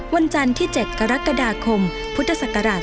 วันจันทร์ที่๗กรกฎาคมพุทธศักราช๒๕